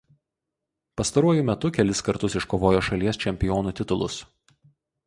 Pastaruoju metu kelis kartus iškovojo šalies čempionų titulus.